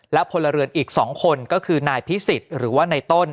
และพลเรือนอีก๒คนก็คือนายพิสิทธิ์หรือว่าในต้น